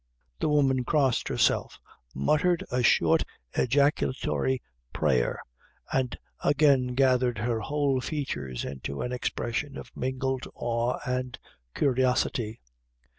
The woman crossed herself, muttered a short ejaculatory prayer, and again gathered her whole features into an expression of mingled awe and curiosity.